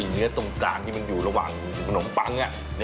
เนื้อตรงกลางที่มันอยู่ระหว่างขนมปัง